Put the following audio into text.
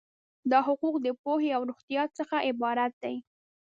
دا حقوق د پوهې او روغتیا څخه عبارت دي.